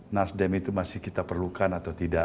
nasdem itu masih kita perlukan atau tidak